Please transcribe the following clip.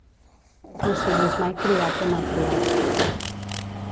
No siguis mai criat de malcriats.